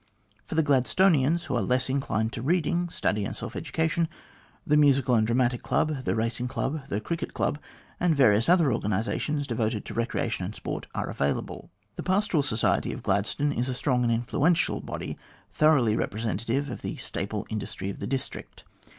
For the Gladstonians who are less inclined to reading, study, and self education, the Musical and Dramatic Club, the Eacing Club, the Cricket Club, and various other organisations devoted to recreation and sport, are available. The Pastoral Society of Gladstone is a strong and influential body, thoroughly representative of the staple industry of the district.